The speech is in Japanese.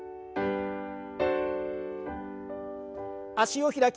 脚を開きます。